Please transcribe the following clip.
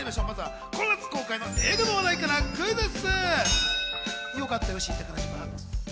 まずはこの夏公開の映画の話題からクイズッス！